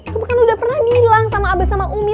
rum kan udah pernah bilang sama abes sama umi